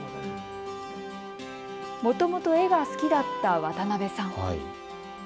もともと絵が好きだった渡部さん。